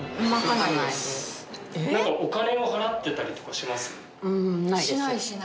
なんかお金を払ってたりとかします？